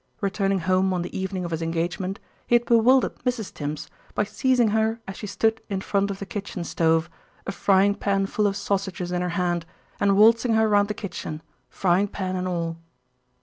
Returning home on the evening of his engagement he had bewildered Mrs. Tims by seizing her as she stood in front of the kitchen stove, a frying pan full of sausages in her hand, and waltzing her round the kitchen, frying pan and all.